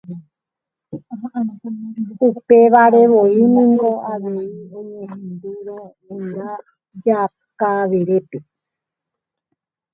Upevarevoi niko avei oñehendúrõ guyra Jakaverépe